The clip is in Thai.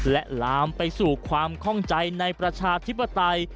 และลามไปสู่ความข้องใจในประชาธิปไตย